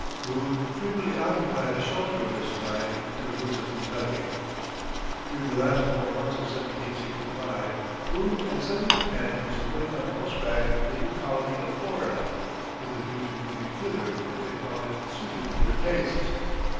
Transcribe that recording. Boone frequently occupied a shelter of this kind in the woods of Kentucky. During the last four months of 1765 Boone and seven companions went on horseback to the new colony of Florida with a view to moving thither if they found it suited to their tastes.